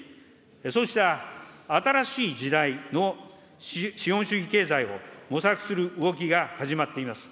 そうした新しい時代の資本主義経済を模索する動きが始まっています。